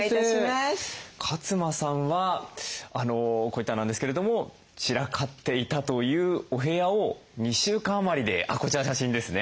勝間さんはこう言ってはなんですけれども散らかっていたというお部屋を２週間余りでこちらの写真ですね。